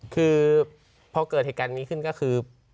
คือพอเกิดเหตุการณ์นี้ขึ้นก็คือ